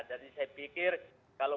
jadi saya pikir kalau